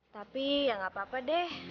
tapi ya gak apa apa deh